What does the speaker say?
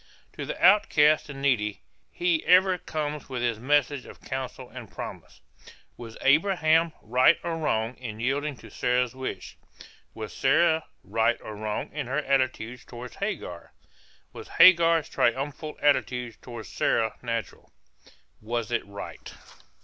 To the outcast and needy he ever comes with his message of counsel and promise. Was Abraham right or wrong in yielding to Sarah's wish? Was Sarah right or wrong in her attitude toward Hagar? Was Hagar's triumphal attitude toward Sarah natural? Was it right?